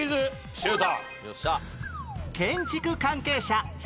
シュート！